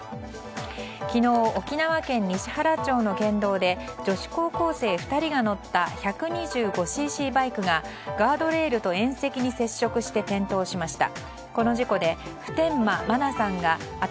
昨日、沖縄県西原町の県道で女子高校生２人が乗った１２５ｃｃバイクがガードレールと縁石に接触して転倒しました。